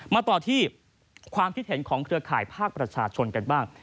มาต่อที่ความคิดเห็นของเครือข่ายภาคประชาชนกันบ้าง